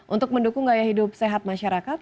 untuk mendukung gaya hidup sehat masyarakat